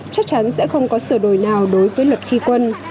chắc chắn sẽ không có sửa đổi nào đối với luật khi quân